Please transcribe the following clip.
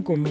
nó nổ mấy